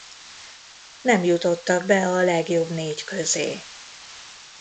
Nem jutottak be a legjobb négy közé.